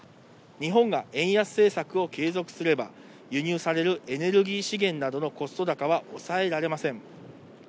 日本が円安政策を継続すれば、輸入されるエネルギー資源などのコスト高はおさえられません。